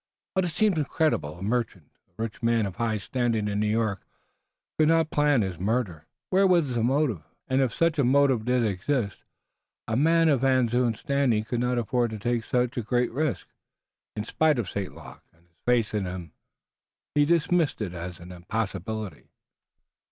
But it seemed incredible. A merchant, a rich man of high standing in New York, could not plan his murder. Where was the motive? And, if such a motive did exist, a man of Van Zoon's standing could not afford to take so great a risk. In spite of St. Luc and his faith in him he dismissed it as an impossibility.